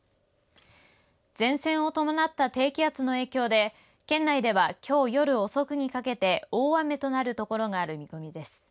前線を伴った低気圧の影響で県内ではきょう夜遅くにかけて大雨となるところがある見込みです。